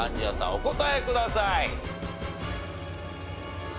お答えください。